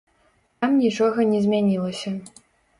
Там нічога не змянілася.